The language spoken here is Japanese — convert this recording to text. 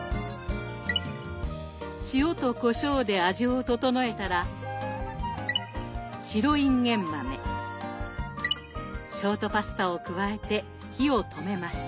塩とこしょうで味を調えたら白いんげん豆ショートパスタを加えて火を止めます。